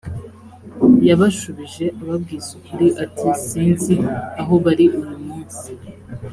yabashubije ababwiza ukuri ati sinzi aho bari uyu munsi